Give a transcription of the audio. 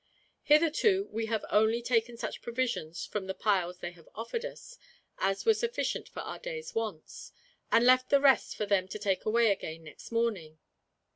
"Hitherto we have only taken such provisions, from the piles they have offered us, as were sufficient for our day's wants, and left the rest for them to take away again next morning.